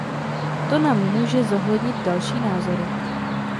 To nám pomůže zohlednit další názory.